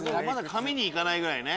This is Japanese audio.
髪にいかないぐらいね。